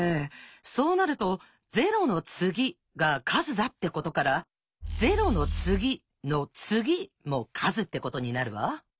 そうなると「『０の次』が数だ」ってことから「『の次』も数」ってことになるわ。